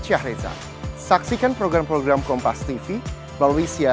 berapa keluarga mungkin semua